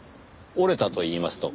折れたといいますと？